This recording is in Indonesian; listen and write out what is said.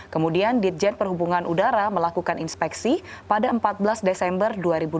kemudian ditjen perhubungan udara melakukan inspeksi pada empat belas desember dua ribu dua puluh